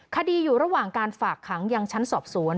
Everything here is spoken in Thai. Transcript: คดีอยู่ระหว่างการฝากขังยังชั้นสอบสวน